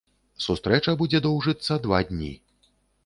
Сустрэча будзе доўжыцца два дні.